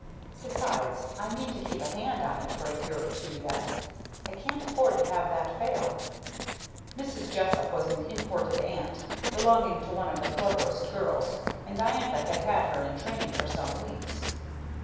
Besides, I mean to keep a hand on it for a year or two yet I can't afford to have that fail." Mrs. Jessup was an imported aunt, belonging to one of the cleverest girls, and Diantha had had her in training for some weeks.